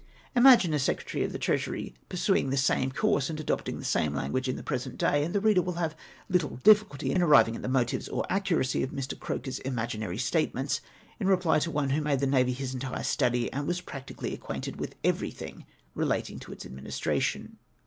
Imagine a secretary of the treasury pursuing the same course and adopting the same language in the present day, and tlie reader wiU liave little difficulty in arriving at the motives or tlie accuracy of ]\ii'. Croker's imagin ary statements, in reply to one wlio made the Navy his entire study, and was practically acquainted with every thing; relating; to its administration.